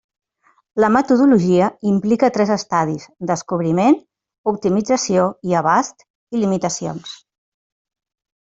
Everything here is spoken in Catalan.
La metodologia implica tres estadis: descobriment, optimització i abast, i limitacions.